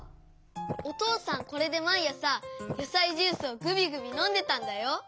おとうさんこれでまいあさやさいジュースをぐびぐびのんでたんだよ。